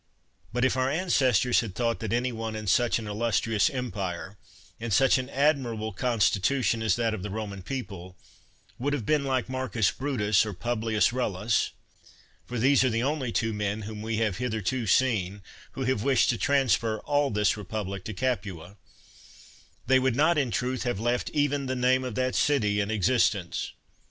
But if our ancestors had thought that any one in such an illustrious empire, in such an admirable consti tution as that of the Boman people, would have been like Marcus Brutus or Publius EuUus (for these are the only two men whom we have hither to seen, who have wished to transfer all this republic to Capua), they would not, in truth, have left even the name of that city in existence.